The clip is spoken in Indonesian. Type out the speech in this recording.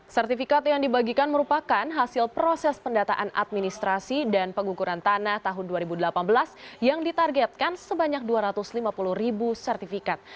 sertifikat yang dibagikan merupakan hasil proses pendataan administrasi dan pengukuran tanah tahun dua ribu delapan belas yang ditargetkan sebanyak dua ratus lima puluh ribu sertifikat